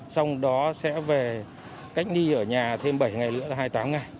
xong đó sẽ về cách ly ở nhà thêm bảy ngày nữa là hai mươi tám ngày